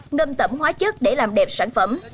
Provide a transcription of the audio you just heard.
ngâm tẩm hóa chất để làm đẹp sản phẩm